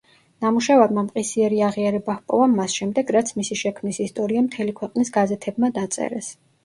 ნამუშევარმა მყისიერი აღიარება ჰპოვა მას შემდეგ რაც მისი შექმნის ისტორია მთელი ყვეყნის გაზეთებმა დაწერეს.